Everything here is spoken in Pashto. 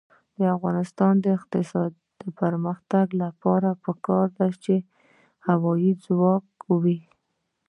د افغانستان د اقتصادي پرمختګ لپاره پکار ده چې هوایی ځواک وي.